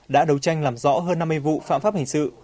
đã đấu tranh làm rõ hơn năm mươi vụ phạm pháp hình sự